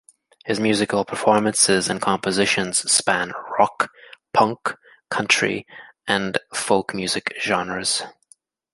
His musical performances and compositions span rock, punk, country and folk music genres.